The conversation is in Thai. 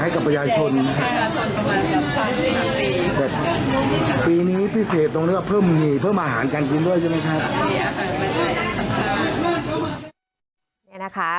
กับประชาชนปีนี้พิเศษตรงนั้นก็เพิ่มอาหารกันกินด้วยใช่ไหมค่ะ